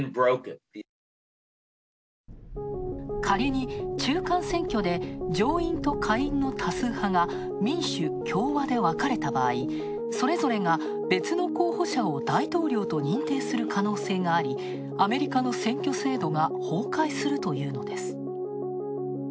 仮に中間選挙で上院と下院の多数派が民主、共和で分かれた場合、それぞれが別の候補者を大統領と認定する可能性があり、アメリカの選挙制度が崩壊するというのです。